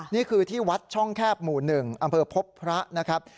นี่คือที่วัดช่องแคบหมู่๑อำเภอพบพระนะครับ